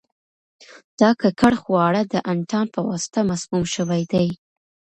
دا ککړ خواړه د انتان په واسطه مسموم شوي دي.